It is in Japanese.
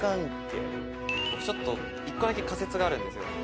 僕１個だけ仮説があるんですよ。